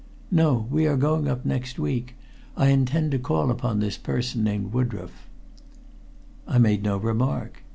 "No. We are going up next week. I intend to call upon this person named Woodroffe." I made no remark.